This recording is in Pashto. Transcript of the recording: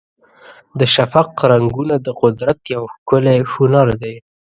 د شفق رنګونه د قدرت یو ښکلی هنر دی.